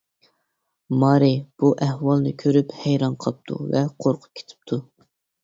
مارى بۇ ئەھۋالنى كۆرۈپ ھەيران قاپتۇ ۋە قورقۇپ كېتىپتۇ.